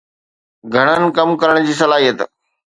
گھڻن ڪم ڪرڻ جي صلاحيت